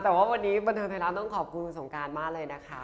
โจ๊กแต่ว่าวันนี้บรรเทอร์ไพรัสต้องขอบคุณคุณสงกรานด์มากเลยนะคะ